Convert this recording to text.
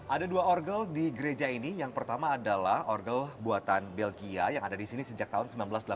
ada dua orgel di gereja ini yang pertama adalah orgel buatan belgia yang ada di sini sejak tahun seribu sembilan ratus delapan puluh